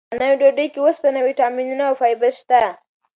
دا نوې ډوډۍ کې اوسپنه، ویټامینونه او فایبر شته.